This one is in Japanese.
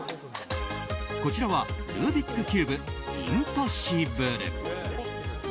こちらはルービックキューブインポッシブル。